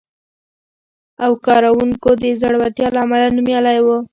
او کارونکو د زړورتیا له امله نومیالی و،